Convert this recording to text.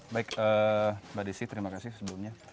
baik mbak desi terima kasih sebelumnya